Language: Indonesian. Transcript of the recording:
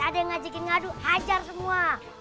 ada yang ngajakin ngadu hajar semua